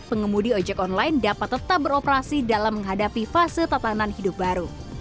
pengemudi ojek online dapat tetap beroperasi dalam menghadapi fase tatanan hidup baru